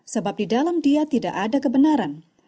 sebab di dalam dia tidak ada kebenaran